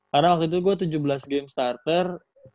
karena waktu itu gue tujuh belas game starter